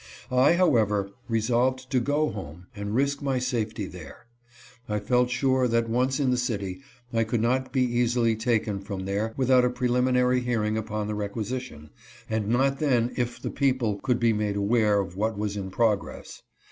I, however, resolved to go home and risk my safety there. I felt sure that, once in the city, I could not be easily taken from there without a preliminary hearing upon the requisition, and not then if the people could be made aware of what was in progress.